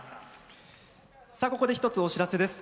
ここで一つお知らせです。